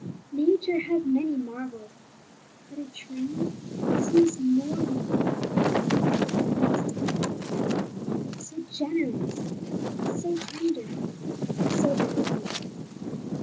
Nature has many marvels; but a tree Seems more than marvellous. It is divine. So generous, so tender, so benign.